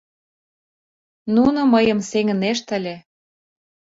Нуно мыйым сеҥынешт ыле.